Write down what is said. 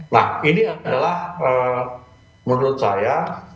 nah ini adalah menurut saya